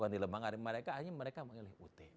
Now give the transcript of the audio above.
di lembaga mereka hanya mengulangi ut